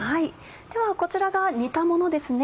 ではこちらが煮たものですね。